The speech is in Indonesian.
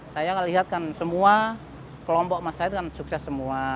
saya melihat kan semua kelompok masyarakat kan sukses semua